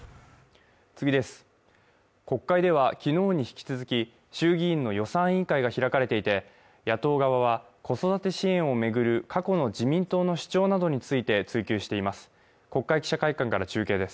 国会ではきのうに引き続き衆議院の予算委員会が開かれていて野党側は子育て支援を巡る過去の自民党の主張などについて追及しています